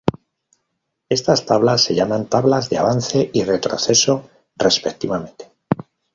Estas tablas se llaman tablas de avance y retroceso respectivamente.